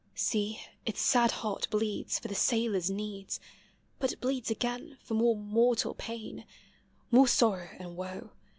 See, its sad heart bleeds For the sailor's needs; But it bleeds again For more mortal pain, More sorrow and woe.